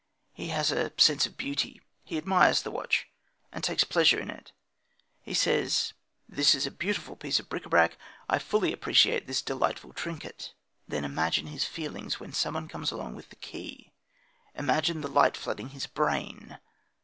He has a sense of beauty. He admires the watch, and takes pleasure in it. He says: "This is a beautiful piece of bric à brac; I fully appreciate this delightful trinket." Then imagine his feelings when someone comes along with the key; imagine the light flooding his brain.